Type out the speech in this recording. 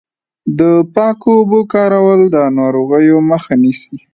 د پاکو اوبو کارول د ناروغیو مخه نیسي.